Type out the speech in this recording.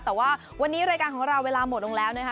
แต่ว่าวันนี้รายการของเราเวลาหมดลงแล้วนะคะ